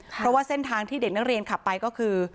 เพราะว่าเส้นทางที่เด็กนักเรียนขับไปก็คือ